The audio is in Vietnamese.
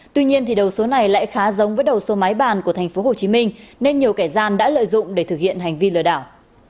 tuy nhiên thì đầu số này lại khá giống với đầu số máy bàn của thành phố hồ chí minh nên nhiều kẻ gian đã lợi dụng để thực hiện hành vi lừa đảo